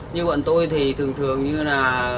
như bọn tôi thì thường thường như là